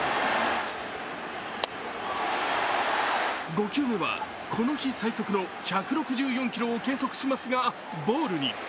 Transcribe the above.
５球目はこの日最速の１６４キロを計測しますがボールに。